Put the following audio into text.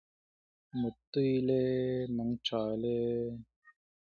Two supporting towers are located between each pair of stations.